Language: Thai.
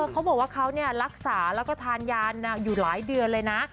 เขาบอกว่าเขารักษาแล้วก็ทานยาอยู่หลายเดือนเลยนะ